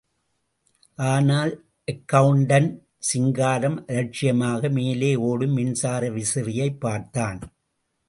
ஆனால் அக்கெளண்டண்ட் சிங்காரம், அலட்சியமாக மேலே ஓடும் மின்சார விசிறியைப் பார்த்தான்.